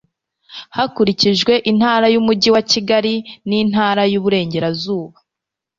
hakurikijwe intara y umujyi wa kigali n intara y iburengerazuba